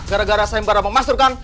gara gara saya beramang mas tuh kan